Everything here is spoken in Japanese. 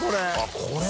これ。